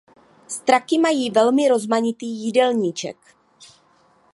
Straky mají velmi rozmanitý jídelníček.